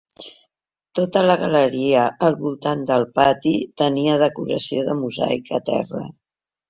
Tota la galeria al voltant del pati tenia decoració de mosaic a terra.